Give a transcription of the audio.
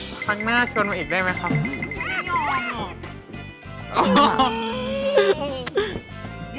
ครั้งหน้าชวนมาอีกได้ไหมครับ